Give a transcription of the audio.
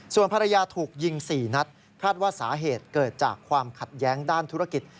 ส่วนภรรยาถูกยิง๔นัดคาดว่าสาเหตุเกิดจากความขัดแย้งด้านธุรกิจ